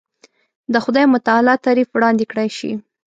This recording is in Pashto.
د خدای متعالي تعریف وړاندې کړای شي.